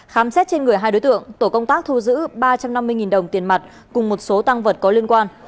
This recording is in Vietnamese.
khám xét trên người hai đối tượng tổ công tác thu giữ ba trăm năm mươi đồng tiền mặt cùng một số tăng vật có liên quan